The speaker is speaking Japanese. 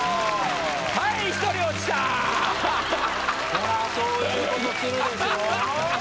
ほらそういうことするでしょ。